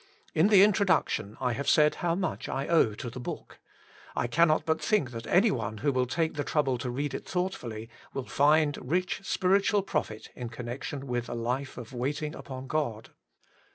^ In the Introduction I have said how much I owe to the book. I cannot but think that anyone who will take the trouble to read it thoughtfully will find rich spiritual profit in connection with a life of Waiting upon God.